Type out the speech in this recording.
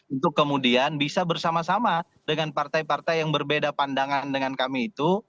untuk kemudian bisa bersama sama dengan partai partai yang berbeda pandangan dengan kami itu